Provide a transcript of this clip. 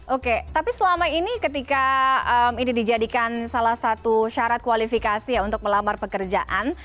oke tapi selama ini ketika ini dijadikan salah satu syarat kualifikasi ya untuk melamar pekerjaan